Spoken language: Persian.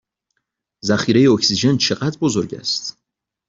ذخیره اکسیژن چه قدر بزرگ است؟